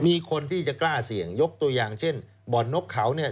มีคนที่จะกล้าเสี่ยงยกตัวอย่างเช่นบ่อนนกเขาเนี่ย